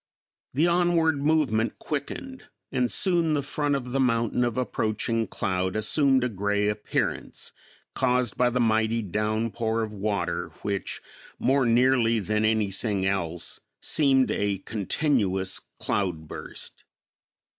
The onward movement quickened, and soon the front of the mountain of approaching cloud assumed a gray appearance, caused by the mighty downpour of water which more nearly than anything else seemed a continuous cloudburst.